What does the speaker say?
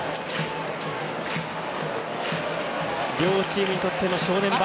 両チームにとっての正念場。